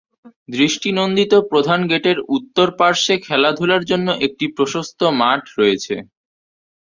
দৃষ্টি নন্দিত প্রধান গেটের উত্তর পার্শ্বে খেলাধুলার জন্য একটি প্রশস্ত মাঠ রয়েছে।